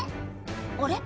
あれ？